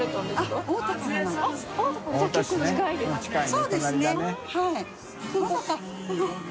そうですねはい。